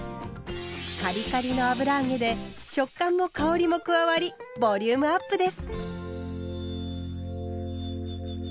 カリカリの油揚げで食感も香りも加わりボリュームアップです。